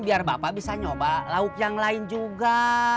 biar bapak bisa nyoba lauk yang lain juga